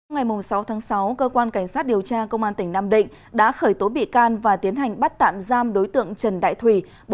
ngày sáu tháng sáu cơ quan cảnh sát điều tra công an tỉnh nam định đã khởi tố bị can và tiến hành bắt tạm giam đối tượng trần đại thủy